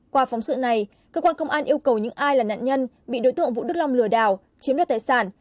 qua phóng sự này cơ quan công an yêu cầu những ai là nạn nhân bị đối tượng vũ đức long lừa đảo chiếm đoạt tài sản